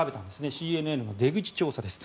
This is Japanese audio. ＣＮＮの出口調査です。